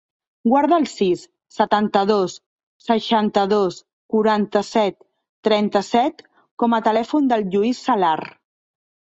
Guarda el sis, setanta-dos, seixanta-dos, quaranta-set, trenta-set com a telèfon del Lluís Salar.